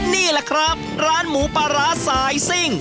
นี่แหละครับร้านหมูปลาร้าสายซิ่ง